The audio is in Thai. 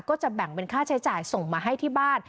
ก็จะแบ่งเป็นค่าใช้จ่ายส่งมาให้ที่บ้าน